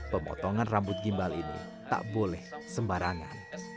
pemotongan rambut gimbal ini tak boleh sembarangan